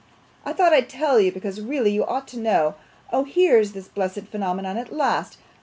I thought I'd tell you, because really you ought to know. Oh! here's this blessed phenomenon at last.